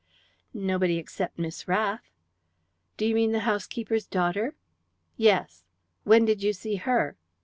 "Nobody except Miss Rath." "Do you mean the housekeeper's daughter?" "Yes." "When did you see her?"